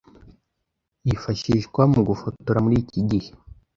yifashishwa mu gufotora muri iki gihe.